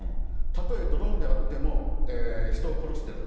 たとえドローンであっても人を殺してる。